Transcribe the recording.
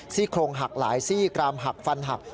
สี่โครงหักไหลสี่กรามหักฟันหับ